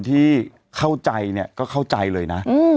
ที่เข้าใจเนี่ยก็เข้าใจเลยนะ